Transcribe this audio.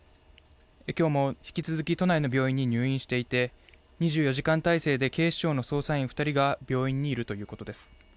今日も引き続き、都内の病院に入院していて、２４時間体制で警視庁の捜査員２人が病院にいるということです。